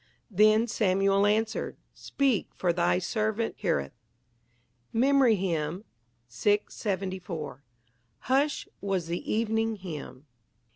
Then Samuel answered, Speak, for thy servant heareth." MEMORY HYMN _"Hushed was the evening hymn."